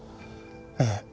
ええ。